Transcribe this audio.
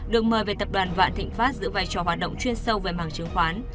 được mời về tập đoàn vạn thịnh pháp giữ vai trò hoạt động chuyên sâu về mảng chứng khoán